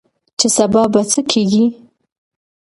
چې سبا به څه کيږي؟